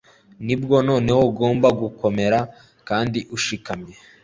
Nibwo noneho ugomba gukomera kandi ushikamye